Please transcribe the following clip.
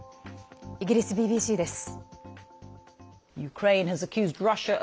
イギリスＢＢＣです。